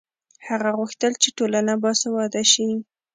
هغه غوښتل چې ټولنه باسواده شي.